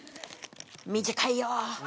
短いよ！